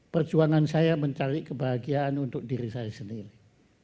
perjuangan saya mencari kebahagiaan untuk diri saya sendiri